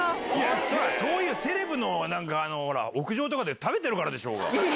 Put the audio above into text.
そういうセレブのなんか屋上とかで食べてるからでしょうが。